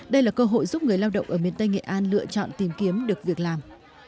đây là cơ hội giúp người lao động ở miền tây nghệ an lựa chọn tìm kiếm được việc làm